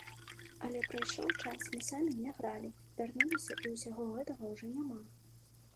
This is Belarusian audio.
Але прайшоў час, мы самі не гралі, вярнуліся і ўсяго гэтага ўжо няма.